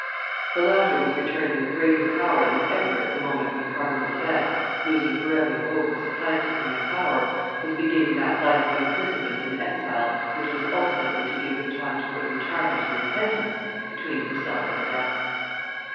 The latter was returning with greater power than ever at the moment when Cardinal de Retz, losing forever the hope of supplanting him in power, was beginning that life of imprisonment and exile which was ultimately to give him time to put retirement and repentance between himself and death.